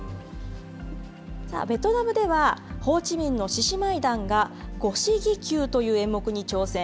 ベトナムでは、ホーチミンの獅子舞団が、五獅戯球という演目に挑戦。